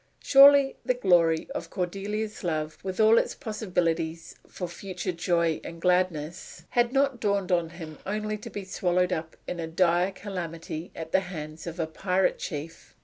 Surely, the glory of Cordelia's love, with all its possibilities for future joy and gladness, had not dawned upon him only to be swallowed up in a dire calamity at the hands of a pirate chief!